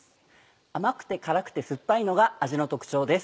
甘くて辛くて酸っぱいのが味の特徴です。